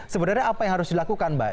sebenarnya apa yang harus dilakukan mbak